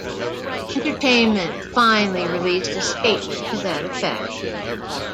Entertainment finally released a statement to that effect.